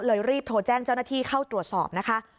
รีบโทรแจ้งเจ้าหน้าที่เข้าตรวจสอบนะคะ